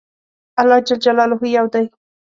الله ج يو دی